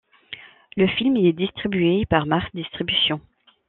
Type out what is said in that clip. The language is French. Le film est distribué par Mars Distribution.